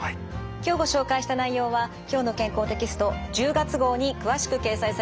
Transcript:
今日ご紹介した内容は「きょうの健康」テキスト１０月号に詳しく掲載されています。